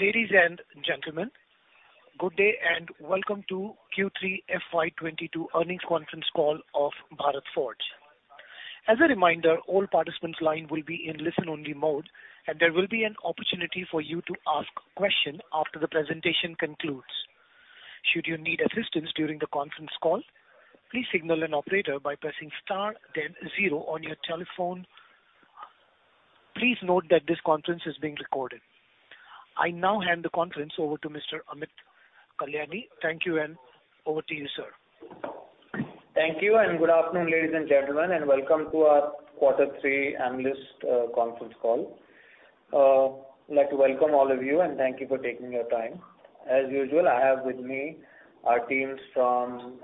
Ladies and gentlemen, good day, and welcome to Q3 FY 2022 earnings conference call of Bharat Forge. As a reminder, all participants' lines will be in listen-only mode, and there will be an opportunity for you to ask questions after the presentation concludes. Should you need assistance during the conference call, please signal an operator by pressing star then zero on your telephone. Please note that this conference is being recorded. I now hand the conference over to Mr. Amit Kalyani. Thank you, and over to you, sir. Thank you, and good afternoon, ladies and gentlemen, and welcome to our quarter three analyst conference call. I'd like to welcome all of you, and thank you for taking your time. As usual, I have with me our teams from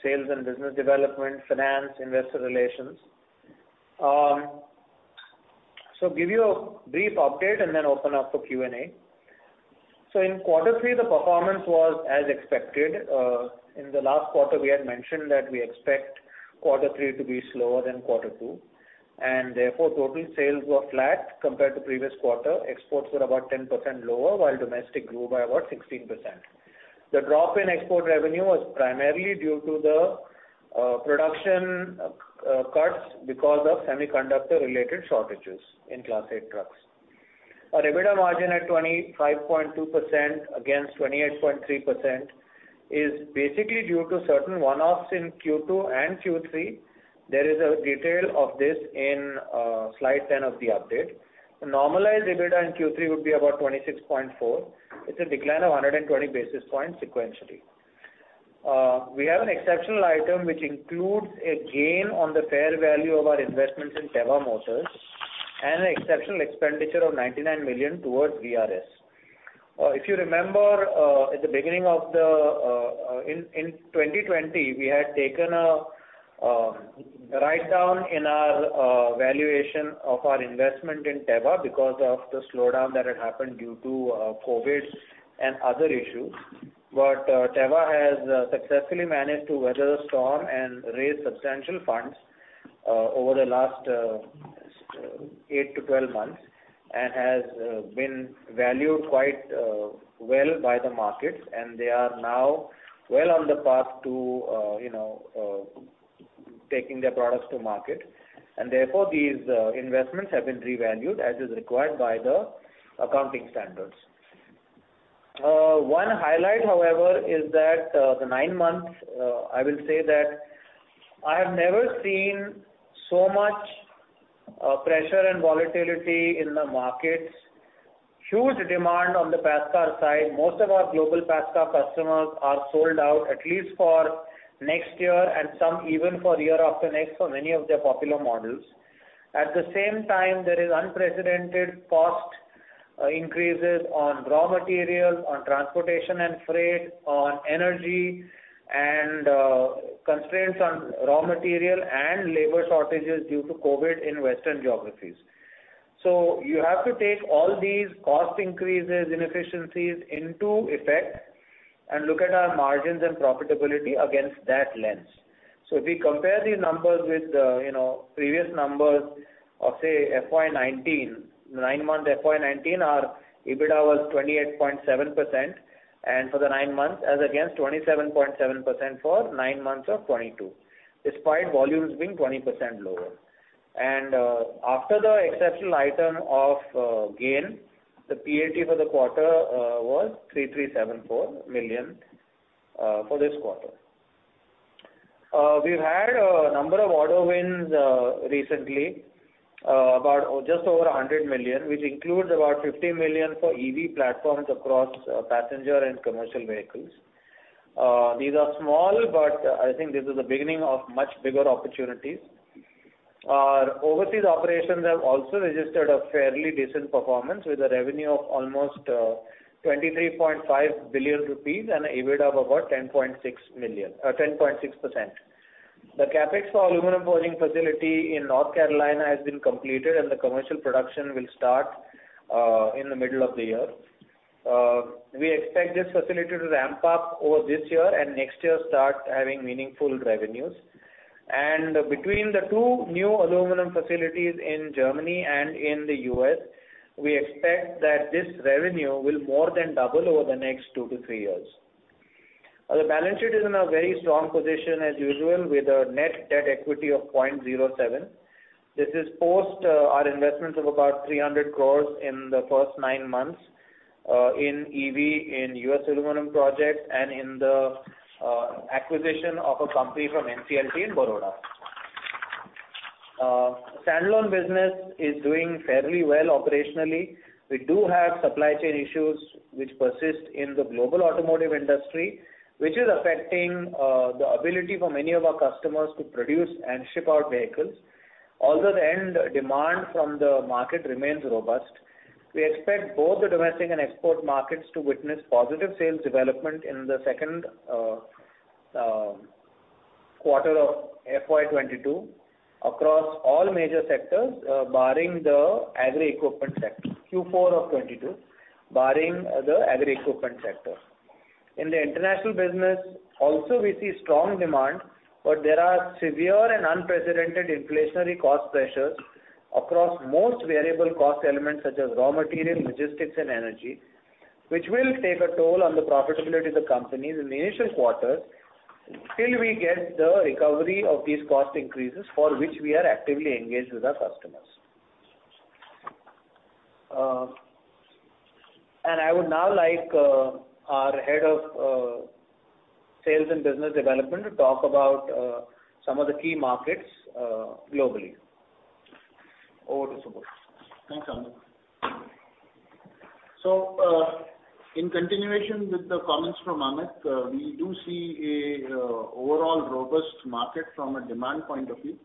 sales and business development, finance, investor relations. Give you a brief update and then open up for Q and A. In quarter three the performance was as expected. In the last quarter, we had mentioned that we expect quarter three to be slower than quarter two, and therefore, total sales were flat compared to previous quarter. Exports were about 10% lower, while domestic grew by about 16%. The drop in export revenue was primarily due to the production cuts because of semiconductor related shortages in Class 8 trucks. Our EBITDA margin at 25.2% against 28.3% is basically due to certain one-offs in Q2 and Q3. There is a detail of this in slide 10 of the update. Normalized EBITDA in Q3 would be about 26.4. It's a decline of 120 basis points sequentially. We have an exceptional item which includes a gain on the fair value of our investments in Tevva Motors and an exceptional expenditure of 99 million towards VRS. If you remember, at the beginning of the in 2020, we had taken a write down in our valuation of our investment in Tevva because of the slowdown that had happened due to COVID and other issues. Tevva has successfully managed to weather the storm and raise substantial funds over the last 8-12 months and has been valued quite well by the markets, and they are now well on the path to you know taking their products to market. Therefore, these investments have been revalued as is required by the accounting standards. One highlight, however, is that the nine months I will say that I have never seen so much pressure and volatility in the markets. Huge demand on the passenger car side. Most of our global passenger car customers are sold out at least for next year and some even for year after next for many of their popular models. At the same time, there is unprecedented cost increases on raw materials, on transportation and freight, on energy and constraints on raw material and labor shortages due to COVID in Western geographies. You have to take all these cost increases, inefficiencies into account and look at our margins and profitability against that lens. If we compare these numbers with, you know, previous numbers of, say, FY 2019, nine-month FY 2019, our EBITDA was 28.7% and for the nine months as against 27.7% for nine months of 2022, despite volumes being 20% lower. After the exceptional item of gain, the PAT for the quarter was 337.4 million for this quarter. We've had a number of order wins recently, about just over $100 million, which includes about $50 million for EV platforms across passenger and commercial vehicles. These are small, but I think this is the beginning of much bigger opportunities. Our overseas operations have also registered a fairly decent performance with a revenue of almost 23.5 billion rupees and an EBITDA of about 10.6%. The CapEx for aluminum forging facility in North Carolina has been completed, and the commercial production will start in the middle of the year. We expect this facility to ramp up over this year and next year start having meaningful revenues. Between the two new aluminum facilities in Germany and in the U.S., we expect that this revenue will more than double over the next 2-3 years. Our balance sheet is in a very strong position as usual, with a net debt to equity of 0.07. This is post our investments of about 300 crore in the first nine months in EV, in U.S. aluminum project and in the acquisition of a company from NCLT in Baroda. Standalone business is doing fairly well operationally. We do have supply chain issues which persist in the global automotive industry, which is affecting the ability for many of our customers to produce and ship out vehicles. Although the end demand from the market remains robust, we expect both the domestic and export markets to witness positive sales development in the second quarter of FY 2022 across all major sectors, barring the agri equipment sector. In the international business also we see strong demand, but there are severe and unprecedented inflationary cost pressures across most variable cost elements such as raw material, logistics and energy, which will take a toll on the profitability of the companies in the initial quarter till we get the recovery of these cost increases for which we are actively engaged with our customers. I would now like our head of sales and business development to talk about some of the key markets globally. Over to Subodh. Thanks, Amit. In continuation with the comments from Amit, we do see a overall robust market from a demand point of view.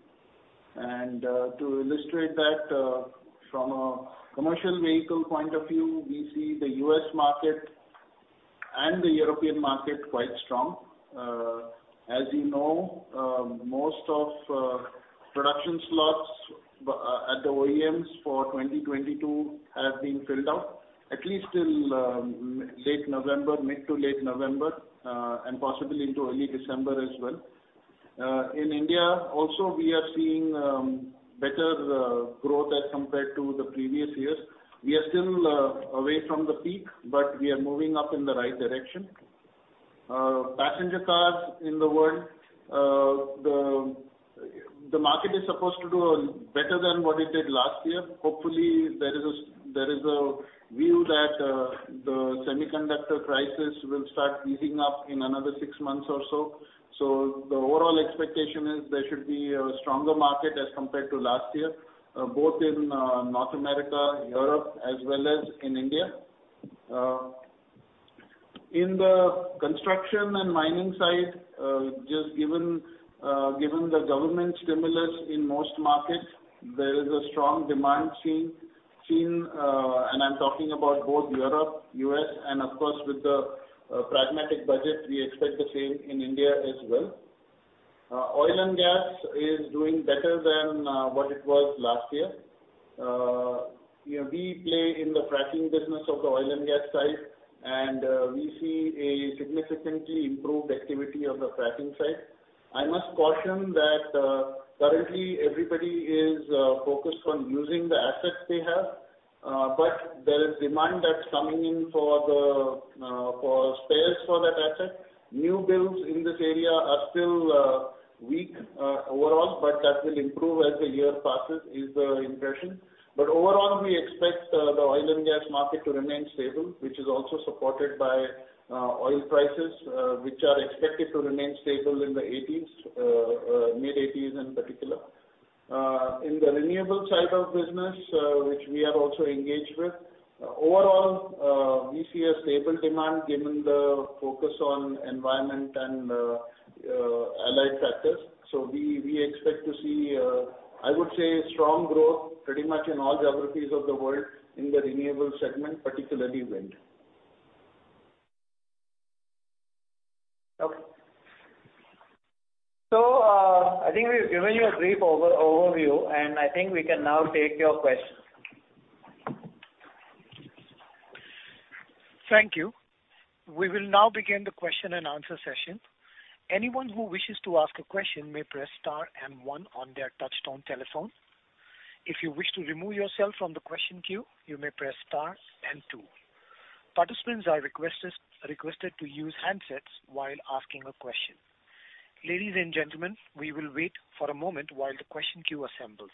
To illustrate that, from a commercial vehicle point of view, we see the U.S. market and the European market quite strong. As you know, most of production slots at the OEMs for 2022 have been filled out at least till late November, mid to late November, and possibly into early December as well. In India also we are seeing better growth as compared to the previous years. We are still away from the peak, but we are moving up in the right direction. Passenger cars in the world, the market is supposed to do better than what it did last year. Hopefully, there is a view that the semiconductor crisis will start easing up in another six months or so. The overall expectation is there should be a stronger market as compared to last year, both in North America, Europe as well as in India. In the construction and mining side, just given the government stimulus in most markets, there is a strong demand seen, and I'm talking about both Europe, U.S. and of course, with the pragmatic budget, we expect the same in India as well. Oil and gas is doing better than what it was last year. You know, we play in the fracking business of the oil and gas side, and we see a significantly improved activity of the fracking side. I must caution that currently everybody is focused on using the assets they have, but there is demand that's coming in for the for spares for that asset. New builds in this area are still weak overall, but that will improve as the year passes, is the impression. Overall, we expect the oil and gas market to remain stable, which is also supported by oil prices which are expected to remain stable in the $80s, mid-$80s in particular. In the renewable side of business, which we are also engaged with, overall we see a stable demand given the focus on environment and allied factors. We expect to see I would say strong growth pretty much in all geographies of the world in the renewable segment, particularly wind. Okay. I think we've given you a brief overview, and I think we can now take your questions. Thank you. We will now begin the question-and-answer session. Anyone who wishes to ask a question may press star and one on their touchtone telephone. If you wish to remove yourself from the question queue, you may press star and two. Participants are requested to use handsets while asking a question. Ladies and gentlemen, we will wait for a moment while the question queue assembles.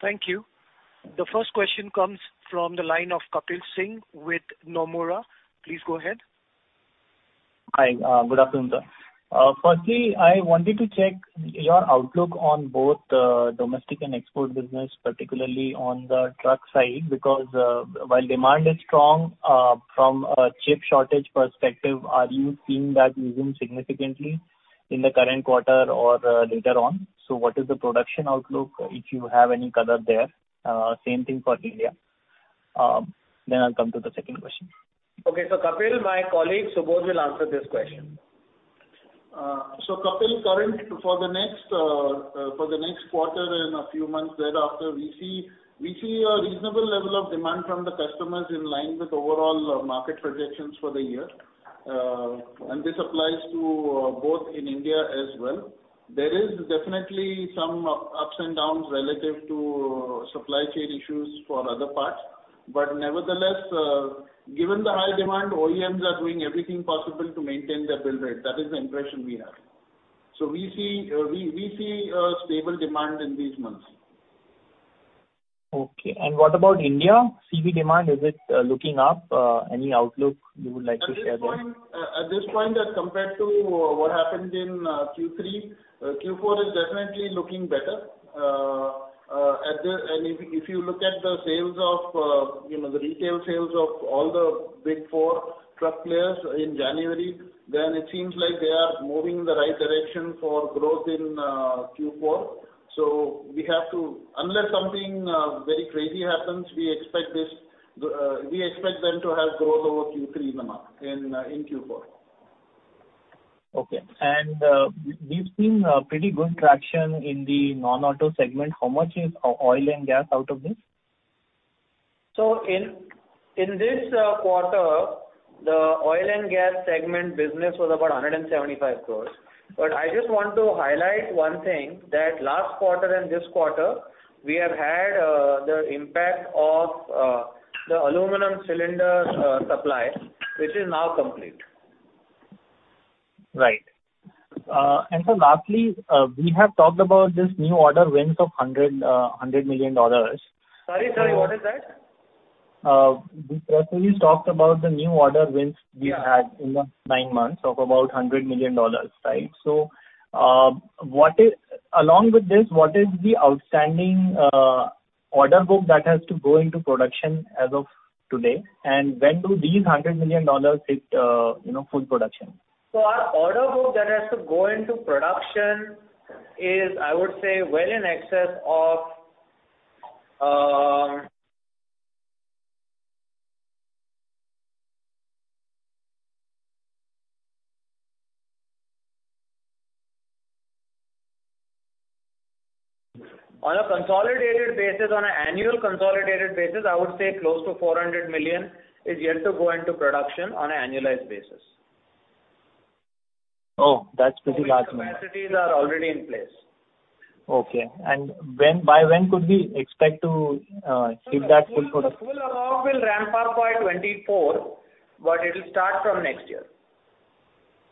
Thank you. The first question comes from the line of Kapil Singh with Nomura. Please go ahead. Hi. Good afternoon, sir. Firstly, I wanted to check your outlook on both domestic and export business, particularly on the truck side, because while demand is strong from a chip shortage perspective, are you seeing that ease in significantly in the current quarter or later on? What is the production outlook, if you have any color there? Same thing for India. I'll come to the second question. Okay. Kapil, my colleague, Subodh, will answer this question. Kapil, comment for the next quarter and a few months thereafter, we see a reasonable level of demand from the customers in line with overall market projections for the year. This applies to both in India as well. There is definitely some ups and downs relative to supply chain issues for other parts. Nevertheless, given the high demand, OEMs are doing everything possible to maintain their build rate. That is the impression we have. We see a stable demand in these months. Okay. What about India? CV demand, is it looking up? Any outlook you would like to share there? At this point, as compared to what happened in Q3, Q4 is definitely looking better. If you look at the sales of, you know, the retail sales of all the big four truck players in January, then it seems like they are moving in the right direction for growth in Q4. Unless something very crazy happens, we expect them to have growth over Q3 in Q4. Okay. We've seen pretty good traction in the non-auto segment. How much is oil and gas out of this? In this quarter, the oil and gas segment business was about 175 crores. I just want to highlight one thing, that last quarter and this quarter, we have had the impact of the aluminum cylinder supply, which is now complete. Right. Lastly, we have talked about this new order wins of $100 million. Sorry, what is that? We previously talked about the new order wins we had. Yeah. In the nine months of about $100 million, right? Along with this, what is the outstanding order book that has to go into production as of today? When do these $100 million hit, you know, full production? Our order book that has to go into production is, I would say well in excess of, on a consolidated basis, on an annual consolidated basis, I would say close to $400 million is yet to go into production on an annualized basis. Oh, that's pretty large number. The capacities are already in place. Okay. By when could we expect to hit that full product- Full or half will ramp up by 2024, but it'll start from next year.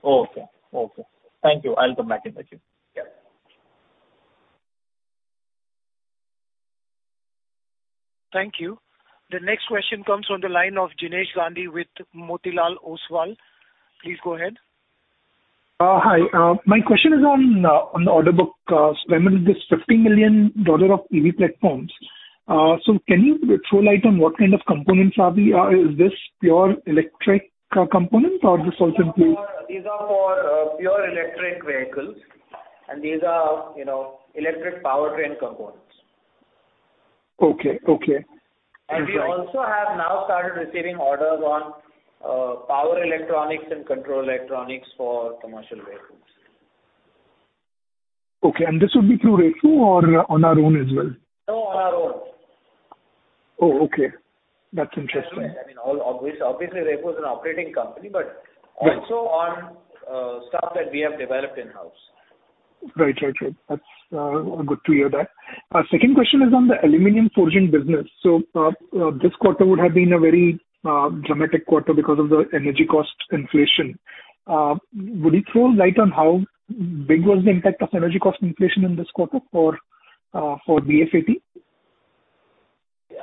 Okay. Okay. Thank you. I'll come back in queue with you. Yeah. Thank you. The next question comes from the line of Jinesh Gandhi with Motilal Oswal. Please go ahead. Hi. My question is on the order book. I mean this $50 million of EV platforms. Can you throw light on what kind of components is this pure electric components or this also includes- These are for pure electric vehicles and these are, you know, electric powertrain components. Okay. Okay. We also have now started receiving orders on power electronics and control electronics for commercial vehicles. Okay. This would be through Repower or on our own as well? No, on our own. Oh, okay. That's interesting. I mean, obviously Repower is an operating company, but. Right. Also on, stuff that we have developed in-house. Right. That's good to hear that. Second question is on the aluminum forging business. This quarter would have been a very dramatic quarter because of the energy cost inflation. Would you throw light on how big was the impact of energy cost inflation in this quarter for BFAT? Yeah.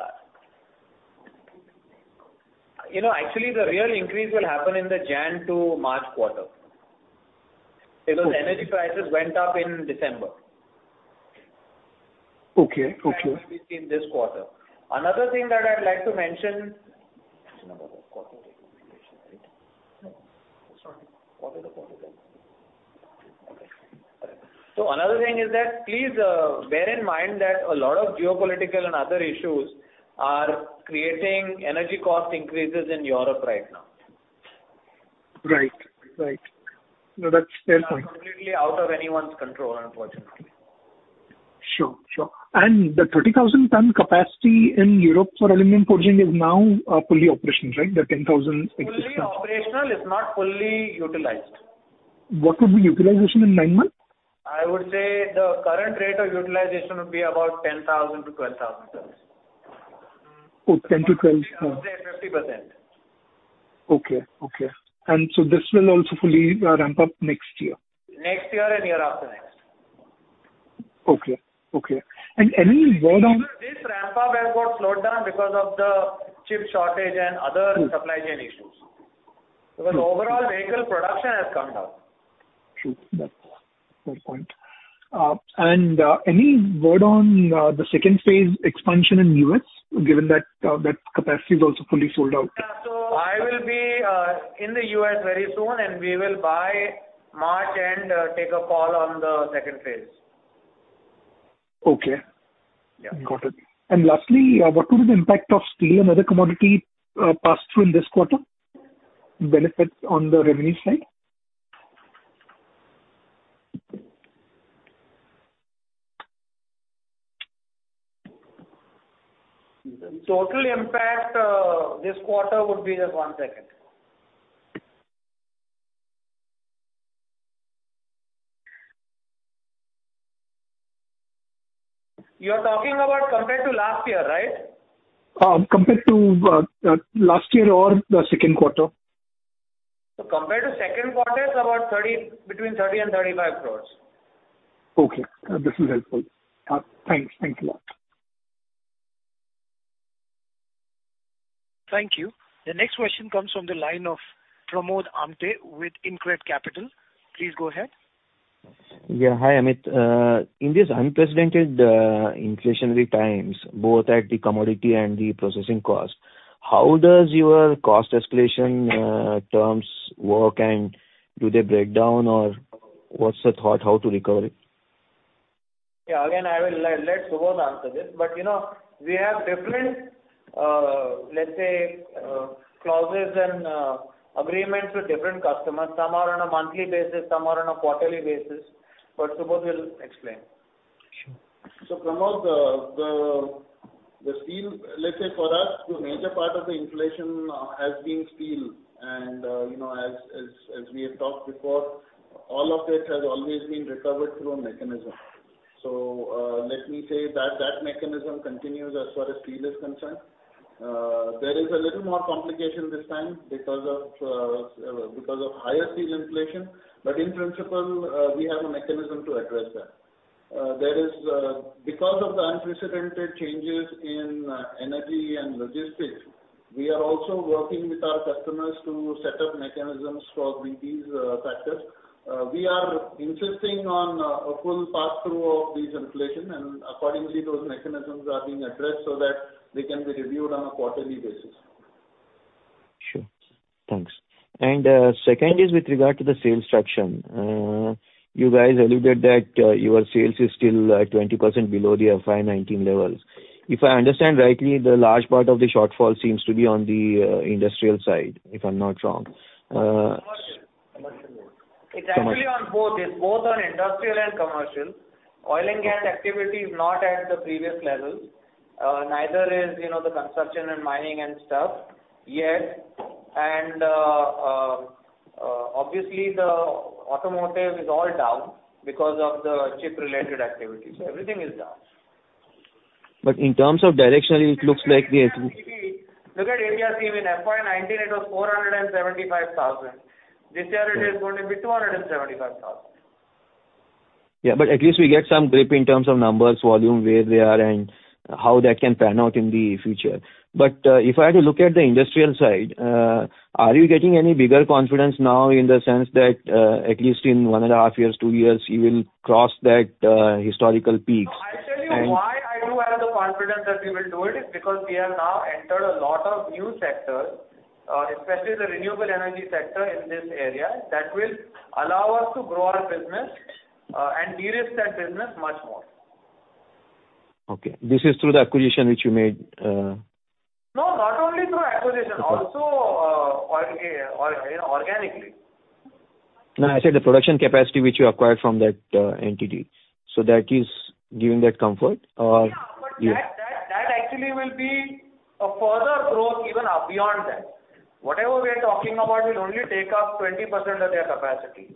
You know, actually the real increase will happen in the January to March quarter. Okay. Because energy prices went up in December. Okay. Okay. In this quarter. Another thing that I'd like to mention. Sorry. Another thing is that please, bear in mind that a lot of geopolitical and other issues are creating energy cost increases in Europe right now. Right. No, that's fair point. They are completely out of anyone's control, unfortunately. Sure. Sure. The 30,000 ton capacity in Europe for aluminum forging is now fully operational, right? The 10,000 existing- Fully operational, it's not fully utilized. What would be utilization in nine months? I would say the current rate of utilization would be about 10,000-12,000 tons. Oh, 10-12. I would say 50%. Okay. This will also fully ramp up next year? Next year and year after next. Okay. Any word on? This ramp up has got slowed down because of the chip shortage and other supply chain issues. Sure. Because overall vehicle production has come down. True. That's a fair point. Any word on the second phase expansion in the U.S., given that capacity is also fully sold out? Yeah. I will be in the U.S. very soon and we will by March end take a call on the second phase. Okay. Yeah. Got it. Lastly, what will be the impact of steel and other commodity pass through in this quarter, benefits on the revenue side? The total impact, this quarter would be, just one second. You're talking about compared to last year, right? Compared to last year or the second quarter. Compared to second quarter, it's about 30 crore, between 30 crore and 35 crore. Okay. This is helpful. Thanks. Thanks a lot. Thank you. The next question comes from the line of Pramod Amthe with InCred Capital. Please go ahead. Yeah. Hi, Amit. In this unprecedented inflationary times, both at the commodity and the processing cost, how does your cost escalation terms work, and do they break down or what's the thought how to recover it? Yeah. Again, I will let Subodh answer this. You know, we have different, let's say, clauses and agreements with different customers. Some are on a monthly basis, some are on a quarterly basis, but Subodh will explain. Sure. Pramod, the steel. Let's say for us, the major part of the inflation has been steel and, you know, as we have talked before, all of it has always been recovered through a mechanism. Let me say that mechanism continues as far as steel is concerned. There is a little more complication this time because of higher steel inflation. In principle, we have a mechanism to address that. Because of the unprecedented changes in energy and logistics, we are also working with our customers to set up mechanisms for these factors. We are insisting on a full pass-through of this inflation, and accordingly, those mechanisms are being addressed so that they can be reviewed on a quarterly basis. Sure. Thanks. Second is with regard to the sales traction. You guys alluded that your sales is still 20% below the FY 2019 levels. If I understand rightly, the large part of the shortfall seems to be on the industrial side, if I'm not wrong. Commercial. Commercial- It's actually on both. It's both on industrial and commercial. Oil and gas activity is not at the previous levels, neither is, you know, the construction and mining and stuff yet. Obviously the automotive is all down because of the chip related activity. Everything is down. In terms of directionally, it looks like the. Look at NAFTA sales. In FY 2019 it was 475,000. Yeah. This year it is going to be 275,000. Yeah. At least we get some grip in terms of numbers, volume, where they are and how that can pan out in the future. If I had to look at the industrial side, are you getting any bigger confidence now in the sense that, at least in one and a half years, two years, you will cross that historical peaks? No, I'll tell you why I do have the confidence that we will do it is because we have now entered a lot of new sectors, especially the renewable energy sector in this area, that will allow us to grow our business, and de-risk that business much more. Okay. This is through the acquisition which you made. No, not only through acquisition. Okay. Also, or, you know, organically. No, I said the production capacity which you acquired from that, entity. That is giving that comfort or- Yeah. Yeah. That actually will be a further growth even beyond that. Whatever we are talking about will only take up 20% of their capacity.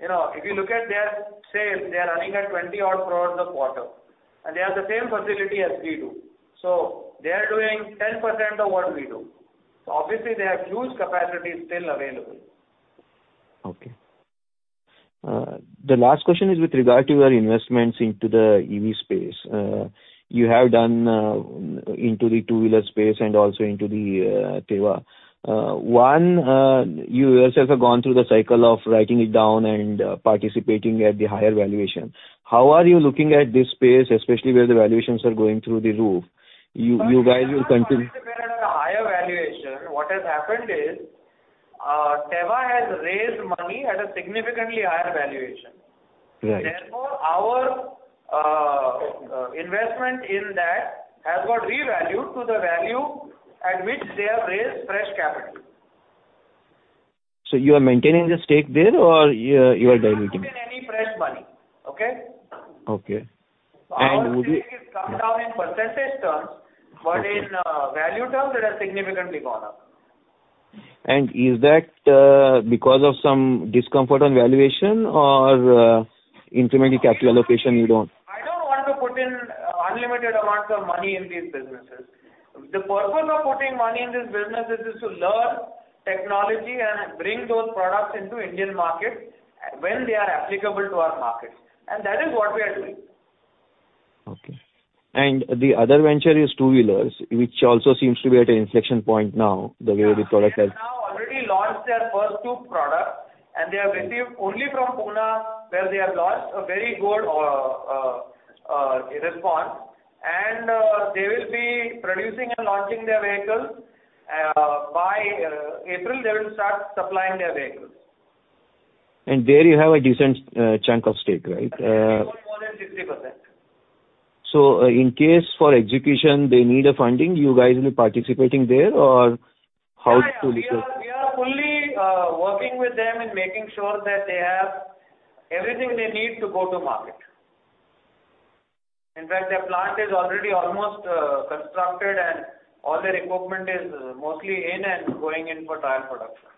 You know, if you look at their sales, they are running at 20 odd crores a quarter, and they have the same facility as we do. They are doing 10% of what we do. Obviously they have huge capacity still available. Okay. The last question is with regard to your investments into the EV space. You have done into the two-wheeler space and also into the Tevva. You yourself have gone through the cycle of writing it down and participating at the higher valuation. How are you looking at this space, especially where the valuations are going through the roof? You guys will continue- We are not participating at a higher valuation. What has happened is, Tevva has raised money at a significantly higher valuation. Right. Therefore, our investment in that has got revalued to the value at which they have raised fresh capital. You are maintaining the stake there or you are diluting? We've not put in any fresh money. Okay? Okay. Would you- Our stake has come down in percentage terms, but in value terms, it has significantly gone up. Is that because of some discomfort on valuation or incremental capital allocation you don't- I don't want to put in unlimited amounts of money in these businesses. The purpose of putting money in these businesses is to learn technology and bring those products into Indian market when they are applicable to our markets. That is what we are doing. Okay. The other venture is two-wheelers, which also seems to be at an inflection point now, the way the product has- They have now already launched their first two products, and they have received only from Pune, where they have launched a very good response. They will be producing and launching their vehicles by April, they will start supplying their vehicles. There you have a decent chunk of stake, right? More than 50%. In case for execution they need a funding, you guys will be participating there or how to look at? Yeah, yeah. We are fully working with them in making sure that they have everything they need to go to market. In fact, their plant is already almost constructed and all their equipment is mostly in and going in for trial production.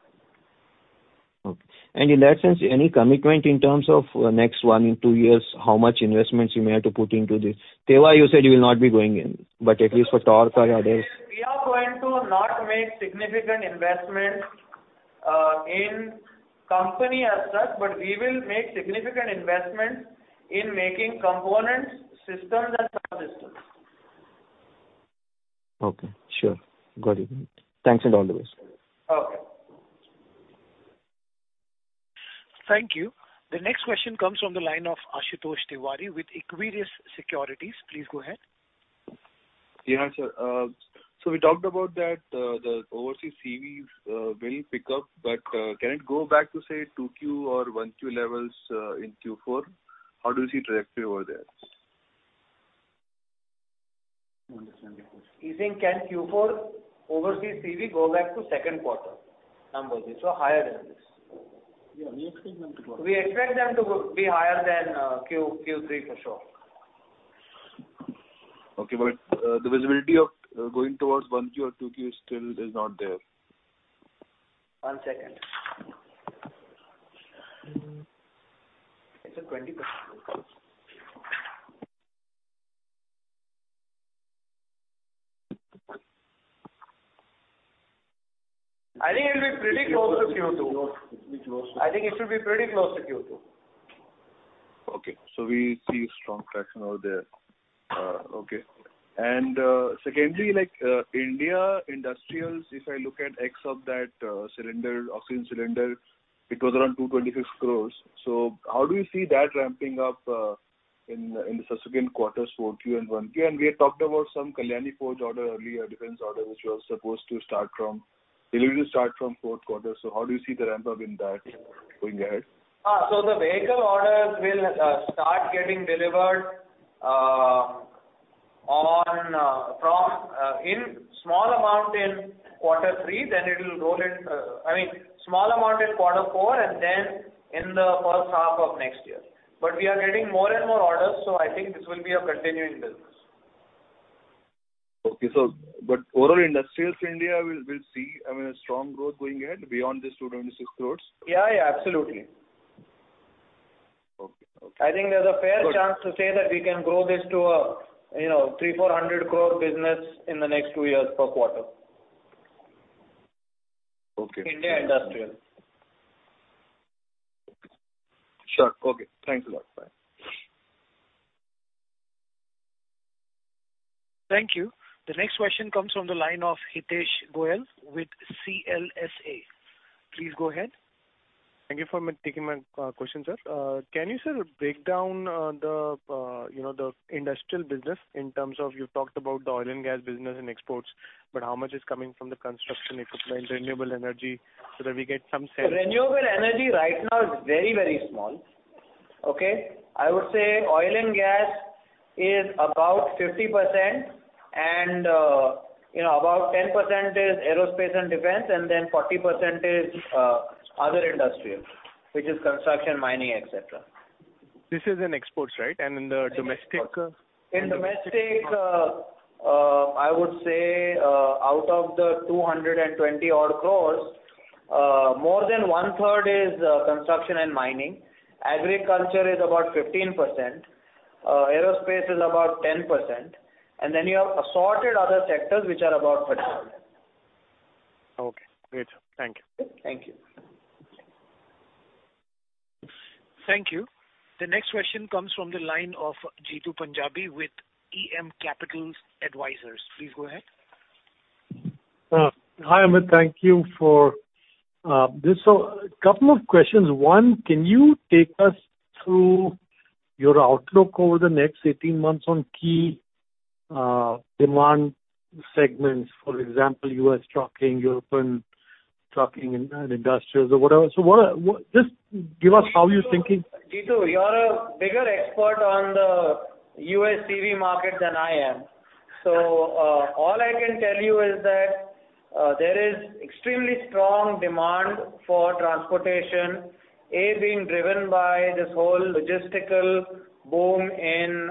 Okay. In that sense, any commitment in terms of next 1-2 years, how much investments you may have to put into this? Tevva, you said you will not be going in, but at least for Tork or others. We are going to not make significant investments in company as such, but we will make significant investments in making components, systems and subsystems. Okay. Sure. Got it. Thanks, and all the best. Okay. Thank you. The next question comes from the line of Ashutosh Tiwari with Equirus Securities. Please go ahead. Yeah, sir. We talked about that, the overseas CVs will pick up, but can it go back to, say, 2Q or 1Q levels in Q4? How do you see trajectory over there? He's saying, can Q4 overseas CV go back to second quarter numbers, so higher than this. Yeah, we expect them to go up. We expect them to be higher than Q3 for sure. Okay. The visibility of going towards 1Q or 2Q still is not there. One second. It's a 20%. I think it'll be pretty close to Q2. Close. It'll be close to Q2. I think it should be pretty close to Q2. We see strong traction over there. Secondly, like, India Industrials, if I look at capex of that, cylinder, oxygen cylinder, it was around 226 crore. How do you see that ramping up in the subsequent quarters, 4Q and Q1? We had talked about some Kalyani Forge order earlier, defense order, which was supposed to start delivery from fourth quarter. How do you see the ramp-up in that going ahead? The vehicle orders will start getting delivered in small amount in quarter three, then it'll roll in. I mean, small amount in quarter four and then in the first half of next year. We are getting more and more orders, so I think this will be a continuing business. Overall Industrials India will see, I mean, a strong growth going ahead beyond this 226 crore? Yeah, yeah, absolutely. Okay. Okay. I think there's a fair chance to say that we can grow this to a, you know, 300-400 crore business in the next two years per quarter. Okay. India Industrial. Sure. Okay. Thanks a lot. Bye. Thank you. The next question comes from the line of Hitesh Goel with CLSA. Please go ahead. Thank you for taking my question, sir. Can you, sir, break down the you know, the industrial business in terms of you've talked about the oil and gas business and exports, but how much is coming from the construction equipment, renewable energy, so that we get some sense? Renewable energy right now is very, very small. Okay? I would say oil and gas is about 50% and, you know, about 10% is aerospace and defense, and then 40% is, other industrial, which is construction, mining, et cetera. This is in exports, right? In the domestic- In domestic, I would say, out of the 220-odd crores, more than one-third is construction and mining. Agriculture is about 15%. Aerospace is about 10%. You have assorted other sectors which are about 30%. Okay. Great. Thank you. Thank you. Thank you. The next question comes from the line of Jeetu Panjabi with EM Capital Advisors. Please go ahead. Hi, Amit. Thank you for this. A couple of questions. One, can you take us through your outlook over the next 18 months on key demand segments, for example, U.S. trucking, European trucking and industrials or whatever. Just give us how you're thinking. Jeetu, you're a bigger expert on the U.S. CV market than I am. All I can tell you is that there is extremely strong demand for transportation being driven by this whole logistical boom in,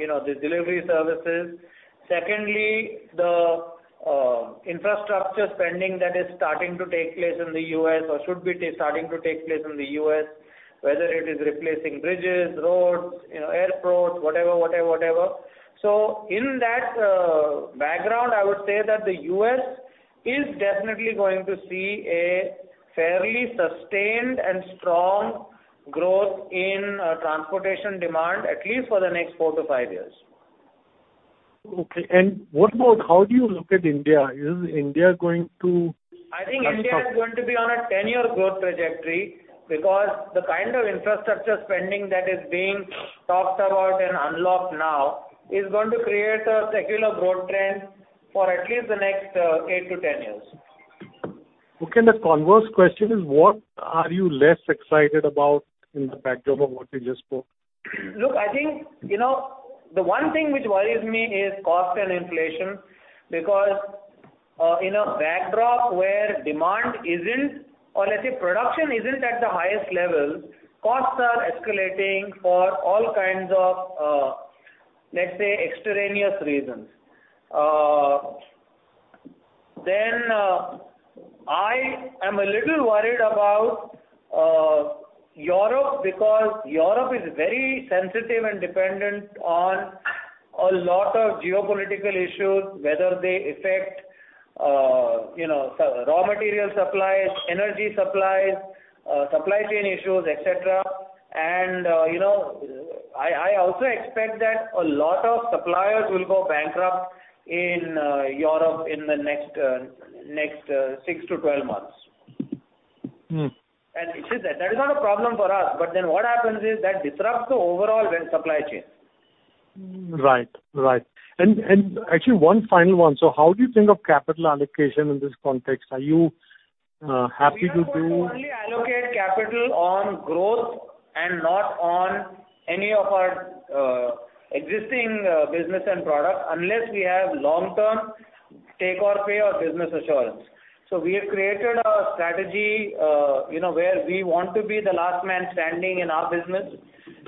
you know, the delivery services. Secondly, the infrastructure spending that is starting to take place in the U.S. or should be starting to take place in the U.S., whether it is replacing bridges, roads, you know, airports, whatever. In that background, I would say that the U.S. is definitely going to see a fairly sustained and strong growth in transportation demand at least for the next 4-5 years. Okay. What about how do you look at India? Is India going to catch up? I think India is going to be on a 10-year growth trajectory because the kind of infrastructure spending that is being talked about and unlocked now is going to create a secular growth trend for at least the next 8-10 years. Okay. The converse question is what are you less excited about in the backdrop of what you just spoke? Look, I think, you know, the one thing which worries me is cost and inflation, because in a backdrop where demand isn't, or let's say production isn't at the highest level, costs are escalating for all kinds of, let's say, extraneous reasons. Then I am a little worried about Europe, because Europe is very sensitive and dependent on a lot of geopolitical issues, whether they affect, you know, raw material supplies, energy supplies, supply chain issues, et cetera. I also expect that a lot of suppliers will go bankrupt in Europe in the next six to 12 months. Mm-hmm. It is that. That is not a problem for us. What happens is that it disrupts the overall entire supply chain. Right. Actually one final one. How do you think of capital allocation in this context? Are you happy to do- We are going to only allocate capital on growth and not on any of our existing business and product unless we have long-term take or pay or business assurance. We have created a strategy, you know, where we want to be the last man standing in our business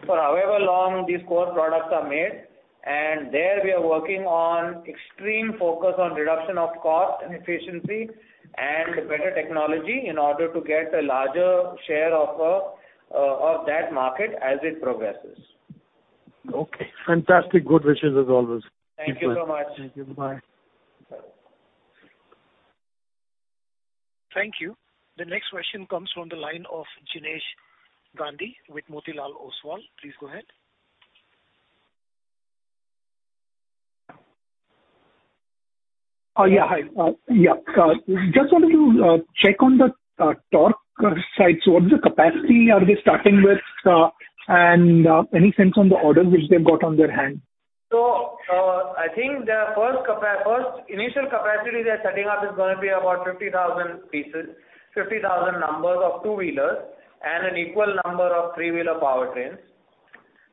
for however long these core products are made. There we are working on extreme focus on reduction of cost and efficiency and better technology in order to get a larger share of that market as it progresses. Okay. Fantastic. Good wishes, as always. Thank you so much. Thank you. Bye. Bye. Thank you. The next question comes from the line of Jinesh Gandhi with Motilal Oswal. Please go ahead. Hi. Just wanted to check on the Tork site. What's the capacity are they starting with, and any sense on the orders which they've got on hand? I think their first initial capacity they're setting up is gonna be about 50,000 pieces, 50,000 numbers of two-wheelers and an equal number of three-wheeler powertrains.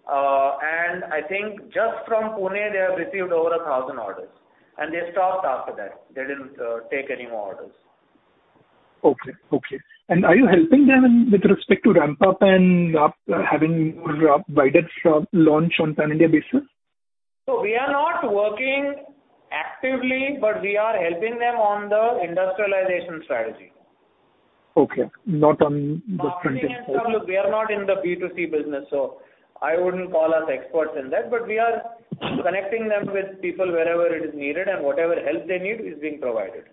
I think just from Pune, they have received over 1,000 orders, and they stopped after that. They didn't take any more orders. Okay. Are you helping them in with respect to ramp up and having more wide launch on pan-India basis? We are not working actively, but we are helping them on the industrialization strategy. Okay. Not on the front end. Marketing and stuff, look, we are not in the B2C business, so I wouldn't call us experts in that. We are connecting them with people wherever it is needed and whatever help they need is being provided.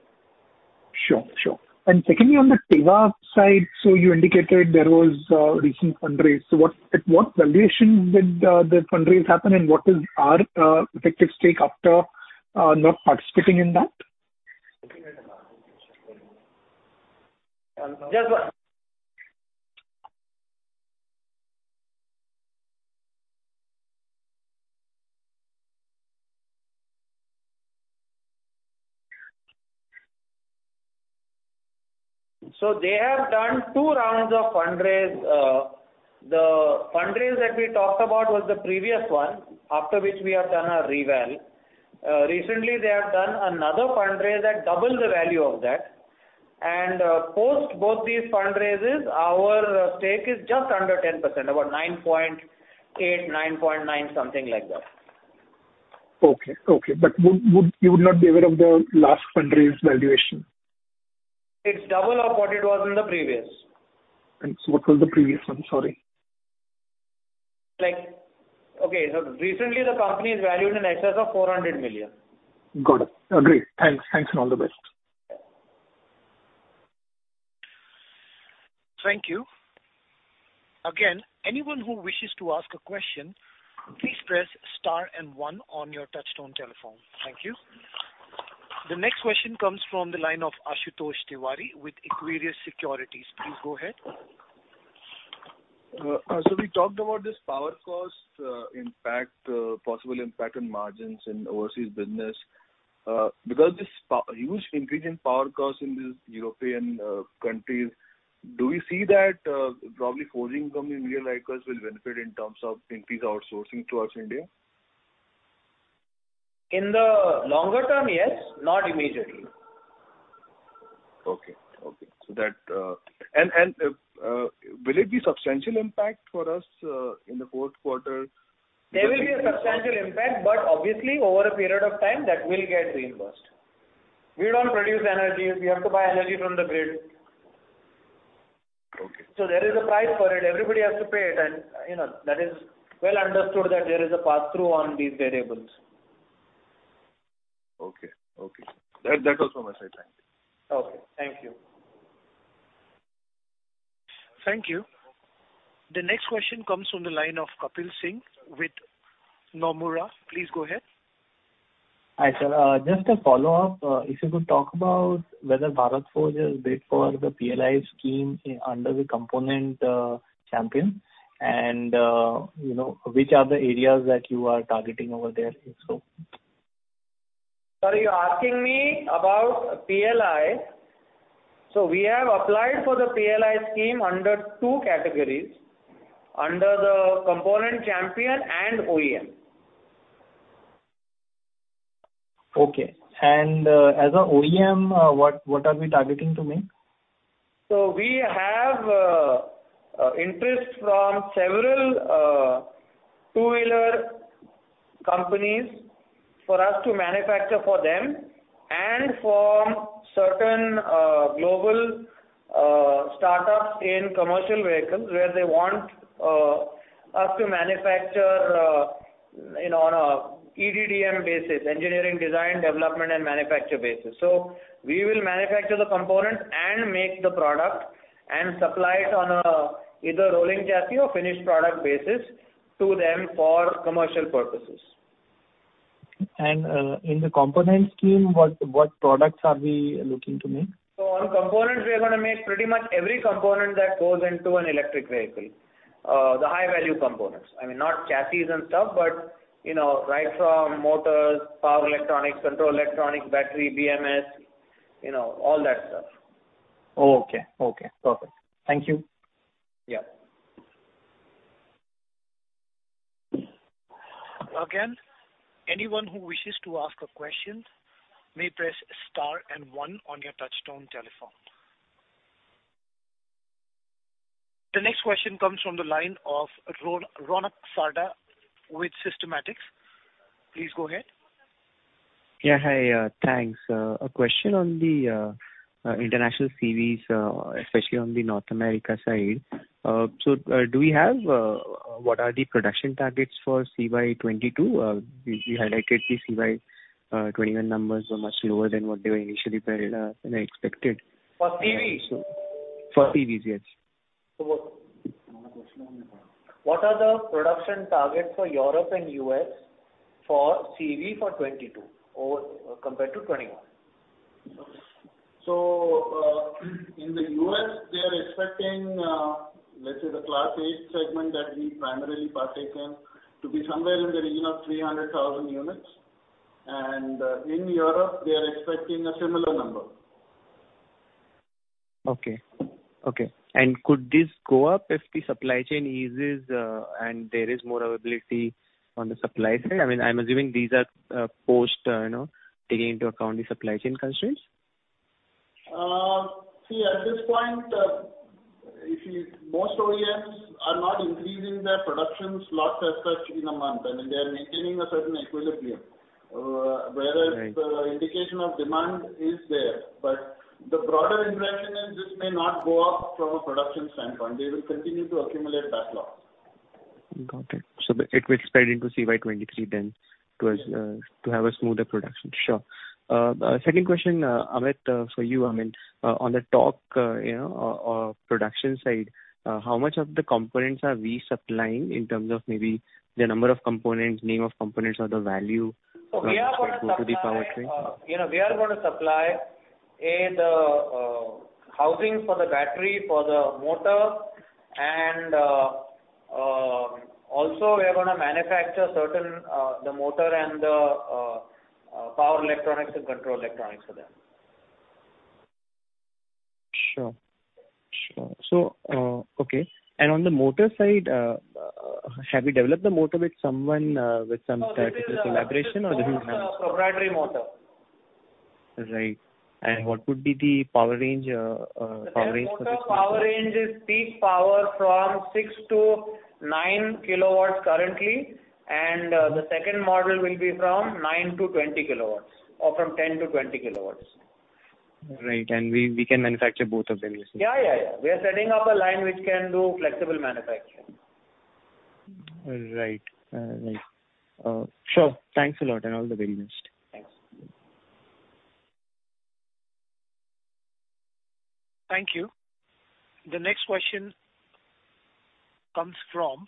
Sure, sure. Secondly, on the Tevva side, you indicated there was recent fundraise. What, at what valuation did the fundraise happen and what is our effective stake after not participating in that? Just one. They have done two rounds of fundraise. The fundraise that we talked about was the previous one, after which we have done a reval. Recently they have done another fundraise at double the value of that. Post both these fundraises, our stake is just under 10%, about 9.8, 9.9, something like that. Would you not be aware of the last fundraise valuation? It's double of what it was in the previous. What was the previous one? Sorry. Like, okay, recently the company is valued in excess of 400 million. Good. Agree. Thanks. Thanks and all the best. Thank you. Again, anyone who wishes to ask a question, please press star and one on your touchtone telephone. Thank you. The next question comes from the line of Ashutosh Tiwari with Equirus Securities. Please go ahead. We talked about this power cost impact, possible impact on margins in overseas business. Because this huge increase in power costs in these European countries, do we see that probably forging companies in India like us will benefit in terms of increase outsourcing towards India? In the longer term, yes, not immediately. Okay. Will it be substantial impact for us in the fourth quarter? There will be a substantial impact, but obviously over a period of time that will get reimbursed. We don't produce energy. We have to buy energy from the grid. Okay. There is a price for it. Everybody has to pay it. You know, that is well understood that there is a pass-through on these variables. Okay. That was from my side. Thank you. Okay. Thank you. Thank you. The next question comes from the line of Kapil Singh with Nomura. Please go ahead. Hi, sir. Just a follow-up. If you could talk about whether Bharat Forge has bid for the PLI scheme, under the component champion and, you know, which are the areas that you are targeting over there if so? Sir, you're asking me about PLI. We have applied for the PLI scheme under two categories, under the Component Champion and OEM. Okay. As a OEM, what are we targeting to make? We have interest from several two-wheeler companies for us to manufacture for them and for certain global start-ups in commercial vehicles where they want us to manufacture, you know, on a EDDM basis, engineering, design, development and manufacture basis. We will manufacture the components and make the product and supply it on a either rolling chassis or finished product basis to them for commercial purposes. In the component scheme, what products are we looking to make? On components, we are gonna make pretty much every component that goes into an electric vehicle. The high value components. I mean, not chassis and stuff, but, you know, right from motors, power electronics, control electronics, battery, BMS, you know, all that stuff. Okay, perfect. Thank you. Yeah. Again, anyone who wishes to ask a question may press star and one on your touch-tone telephone. The next question comes from the line of Ronak Sarda with Systematix Group. Please go ahead. Yeah, hi. Thanks. A question on the international CVs, especially on the North America side. So, do we have what are the production targets for CY 2022? You highlighted the CY 2021 numbers were much lower than what they were initially planned and expected. For CVs? For CVs, yes. So what- Another question on the What are the production targets for Europe and U.S. for CV for 2022 or compared to 2021? In the U.S., they are expecting, let's say the Class 8 segment that we primarily partake in to be somewhere in the region of 300,000 units. In Europe, we are expecting a similar number. Okay. Could this go up if the supply chain eases, and there is more availability on the supply side? I mean, I'm assuming these are, post, you know, taking into account the supply chain constraints. See, at this point, most OEMs are not increasing their production slots as such in a month. I mean, they are maintaining a certain equilibrium. Right. Whereas the indication of demand is there. The broader impression is this may not go up from a production standpoint. They will continue to accumulate backlogs. Got it. It will spread into CY 2023 then to have a smoother production. Sure. Second question, Amit, for you. I mean, on the topic, you know, of production side, how much of the components are we supplying in terms of maybe the number of components, name of components or the value- We are going to supply. That go to the powertrain? You know, we are gonna supply the housing for the battery, for the motor, and also we are gonna manufacture certain the motor and the power electronics and control electronics for them. Sure. Okay. On the motor side, have you developed the motor with someone, with some type of collaboration or this is? No, this is a proprietary motor. Right. What would be the power range for this motor? The motor power range is peak power 6-9 kW currently, and the second model will be from 9-20 kW or from 10-20 kW. Right. We can manufacture both of them, you said? Yeah, yeah. We are setting up a line which can do flexible manufacturing. Right. Sure. Thanks a lot and all the very best. Thanks. Thank you. The next question comes from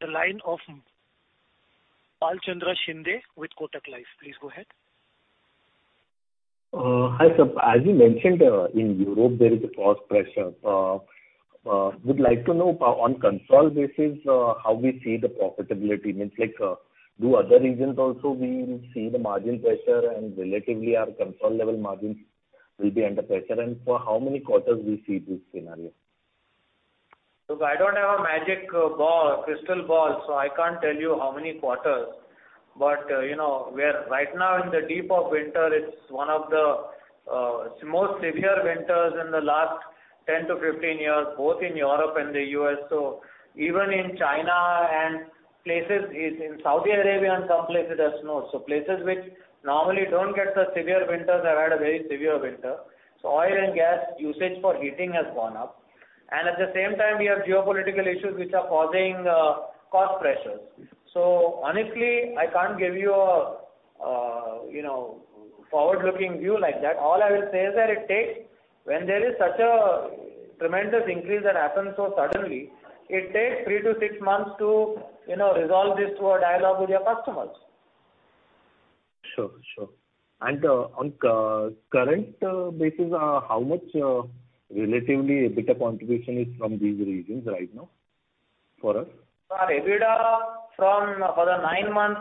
the line of Bhalchandra Shinde with Kotak Institutional Equities. Please go ahead. Hi, sir. As you mentioned, in Europe, there is a cost pressure. Would like to know on consolidated basis, how we see the profitability. Means like, do other regions also we will see the margin pressure and relatively our consolidated level margins will be under pressure? For how many quarters we see this scenario? Look, I don't have a magic ball, crystal ball, so I can't tell you how many quarters. You know, we are right now in the depths of winter. It's one of the most severe winters in the last 10-15 years, both in Europe and the U.S. Even in China and places in Saudi Arabia and some places there's snow. Places which normally don't get the severe winters have had a very severe winter. At the same time, we have geopolitical issues which are causing cost pressures. Honestly, I can't give you a you know, forward-looking view like that. When there is such a tremendous increase that happens so suddenly, it takes 3-6 months to, you know, resolve this through a dialogue with your customers. Sure. On current basis, how much relative EBITDA contribution is from these regions right now for us? Our EBITDA for the nine months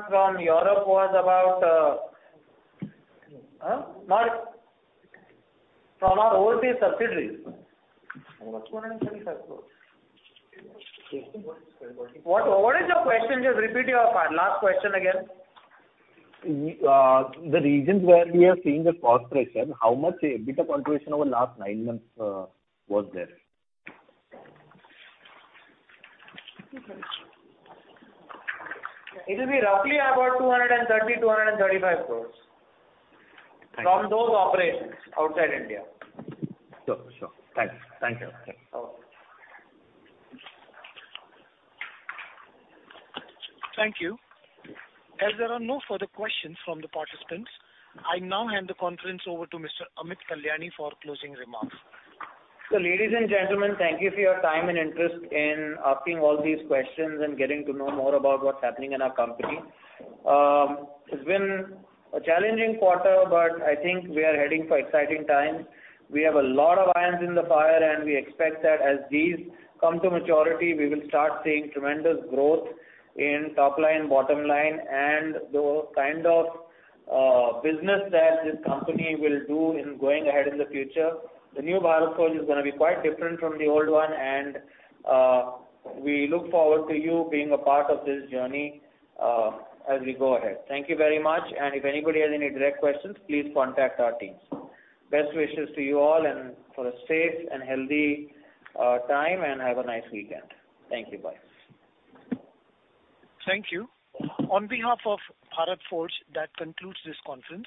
from our overseas subsidiaries was about. What is the question? What is the question? Just repeat your last question again. The regions where we are seeing the cost pressure, how much EBITDA contribution over last nine months was there? It will be roughly about 230 crore-235 crore. Thank you. From those operations outside India. Sure. Thanks. Thank you. Okay. Thank you. As there are no further questions from the participants, I now hand the conference over to Mr. Amit Kalyani for closing remarks. Ladies and gentlemen, thank you for your time and interest in asking all these questions and getting to know more about what's happening in our company. It's been a challenging quarter, but I think we are heading for exciting times. We have a lot of irons in the fire, and we expect that as these come to maturity, we will start seeing tremendous growth in top line, bottom line and the kind of business that this company will do in going ahead in the future. The new Bharat Forge is gonna be quite different from the old one, and we look forward to you being a part of this journey, as we go ahead. Thank you very much. If anybody has any direct questions, please contact our teams. Best wishes to you all and for a safe and healthy time, and have a nice weekend. Thank you. Bye. Thank you. On behalf of Bharat Forge, that concludes this conference.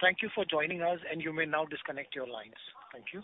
Thank you for joining us, and you may now disconnect your lines. Thank you.